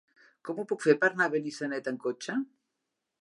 Com ho puc fer per anar a Benissanet amb cotxe?